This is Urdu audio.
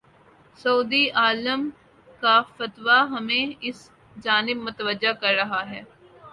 سعودی عالم کا فتوی ہمیں اس جانب متوجہ کر رہا ہے۔